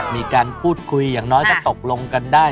มีการพูดคุยอย่างน้อยก็ตกลงกันได้